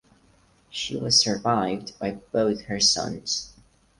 She was survived by both her sons.